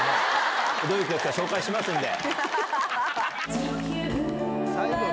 どういう曲か紹介しますんで。